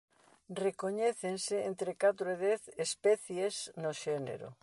Recoñécense ente catro e dez especies no xénero.